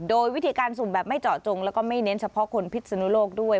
โดยวิธีการสุ่มแบบไม่เจาะจงแล้วก็ไม่เน้นเฉพาะคนพิษนุโลกด้วย